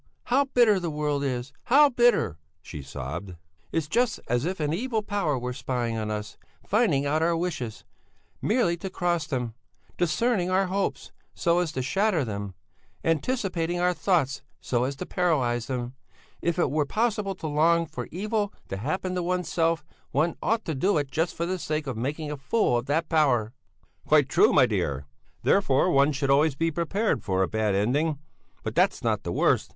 How bitter the world is, how bitter!" she sobbed. "It's just as if an evil power were spying on us, finding out our wishes, merely to cross them; discerning our hopes, so as to shatter them; anticipating our thoughts so as to paralyse them. If it were possible to long for evil to happen to oneself, one ought to do it just for the sake of making a fool of that power." "Quite true, my dear; therefore one should always be prepared for a bad ending. But that's not the worst.